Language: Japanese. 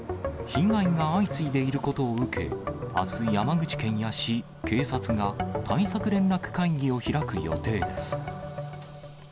被害が相次いでいることを受け、あす、山口県や市、警察が対策連絡会議を開く予定です。